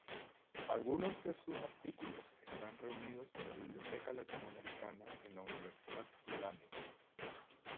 Algunos de sus artículos están reunidos en la Biblioteca Latinoamericana en la Universidad Tulane.